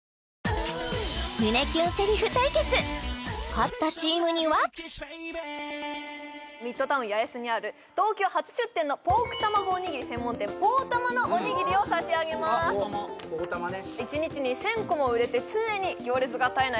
勝ったチームにはミッドタウン八重洲にある東京初出店のポークたまごおにぎり専門店ポーたまのおにぎりを差し上げます一日に１０００個も売れて常に行列が絶えない